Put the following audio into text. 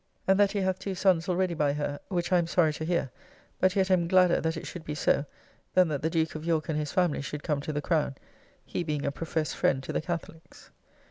] and that he hath two sons already by her: which I am sorry to hear; but yet am gladder that it should be so, than that the Duke of York and his family should come to the crown, he being a professed friend to the Catholiques.